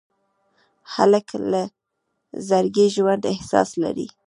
هلک له زړګي ژوندي احساس لري.